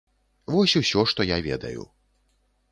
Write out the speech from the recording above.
Вось усё, што я ведаю.